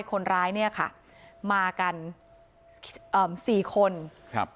คนร้ายเนี่ยค่ะมากันเอ่อสี่คนครับ